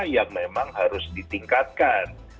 yang memang harus ditingkatkan